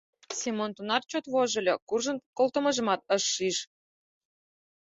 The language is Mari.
Семон тунар чот вожыльо, куржын колтымыжымат ыш шиж.